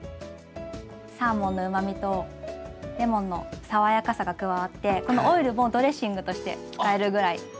サーモンのうまみとレモンの爽やかさが加わってこのオイルもドレッシングとして使えるぐらい。